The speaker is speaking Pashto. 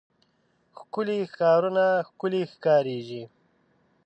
ښکلي ښارونه ښکلي ښکاريږي.